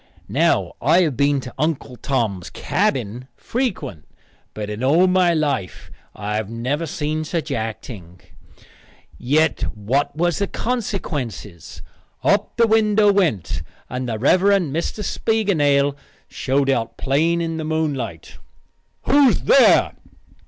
Now I have been to Uncle Tom's Cabin frequent, but in all my life I never see such acting. Yet what was the consequences? Up went the window above, and the Rev. Mr. Spiegelnail showed out plain in the moonlight. "Who is there?"